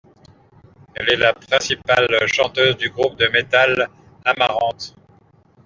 Elle est la principale chanteuse du groupe de metal Amaranthe.